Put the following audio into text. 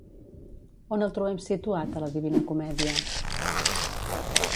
On el trobem situat a la Divina Comèdia?